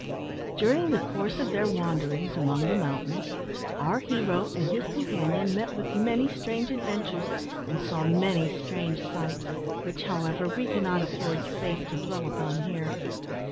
During the course of their wanderings among the mountains our hero and his companion met with many strange adventures and saw many strange sights, which, however, we cannot afford space to dwell upon here.